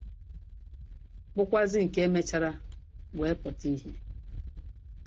bụkwazị nke mechaara wee pụta ìhè.